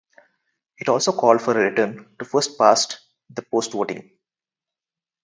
It also called for a return to first past the post voting.